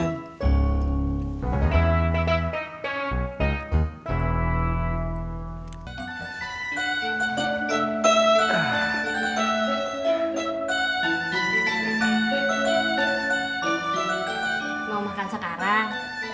mau makan sekarang